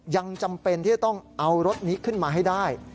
ยังจำเป็นที่จะต้องเอารถนี้ขึ้นมาให้ได้